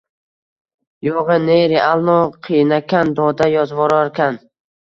Yo’g’e, ne realno qiyinakan doda, yozvorarkan...